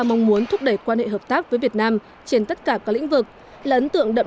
mong muốn thúc đẩy quan hệ hợp tác với việt nam trên tất cả các lĩnh vực là ấn tượng đậm